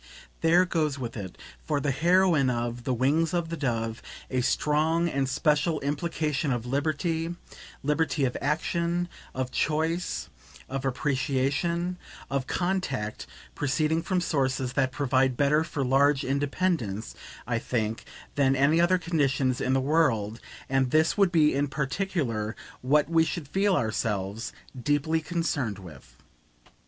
There goes with it, for the heroine of "The Wings of the Dove," a strong and special implication of liberty, liberty of action, of choice, of appreciation, of contact proceeding from sources that provide better for large independence, I think, than any other conditions in the world and this would be in particular what we should feel ourselves deeply concerned with.